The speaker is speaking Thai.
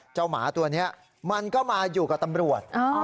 หมาตัวนี้มันก็มาอยู่กับตำรวจ